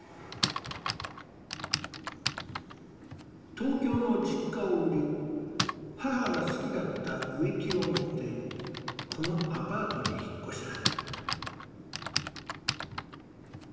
東京の実家を売り母が好きだった植木を持ってこのアパートに引っ越した。